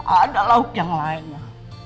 ada lauk yang lainnya